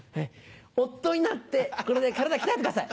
夫になってこれで体鍛えてください。